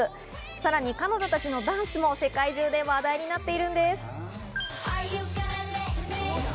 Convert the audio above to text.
さらに、彼女たちのダンスも世界中で話題になっているんです。